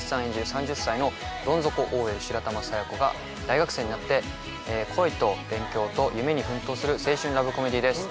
３０歳のどん底ＯＬ白玉佐弥子が大学生になって恋と勉強と夢に奮闘する青春ラブコメディです